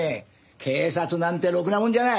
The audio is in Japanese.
警察なんてろくなもんじゃない！